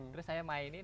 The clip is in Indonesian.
terus saya mainin